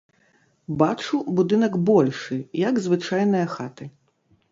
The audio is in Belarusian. Бачу будынак большы, як звычайныя хаты.